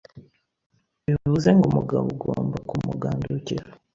Bivuze ngo umugabo ugomba kumugandukira